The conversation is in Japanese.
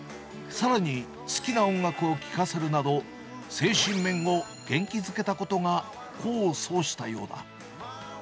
さらに好きな音楽を聴かせるなど、精神面を元気づけたことが功を奏したようだ。